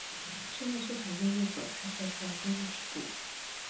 社会市场经济所采取的主要经济制度。